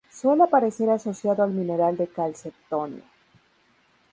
Suele aparecer asociado al mineral de calcedonia.